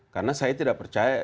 karena saya tidak percaya